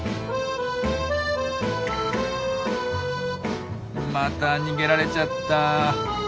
また逃げられちゃった。